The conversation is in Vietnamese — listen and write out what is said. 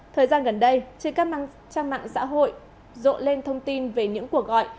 thời gian gần đây trên các mạng trang mạng xã hội rộ lên thông tin về những cuộc gọi